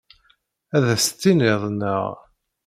Ad as-t-tiniḍ dɣa?